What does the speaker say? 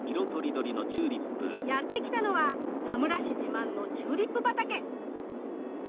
やって来たのは羽村市自慢のチューリップ畑。